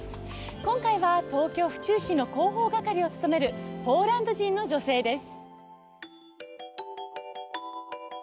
今回は東京・府中市の広報係を務めるポーランド人の女性です。